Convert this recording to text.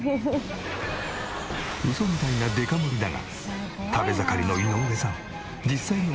ウソみたいなデカ盛りだが食べ盛りの井上さん実際に。